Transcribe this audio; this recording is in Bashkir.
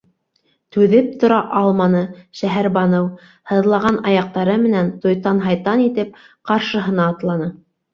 Түҙеп тора алманы Шәһәрбаныу, һыҙлаған аяҡтары менән туйтан-һайтан итеп, ҡаршыһына атланы.